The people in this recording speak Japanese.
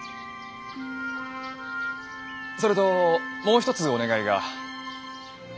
それともう一つお願いが。